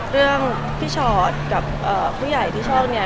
เรื่องพี่ชอตกับผู้ใหญ่ที่ชอบเนี่ย